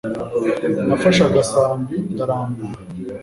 Nafashe agasambi ndarambura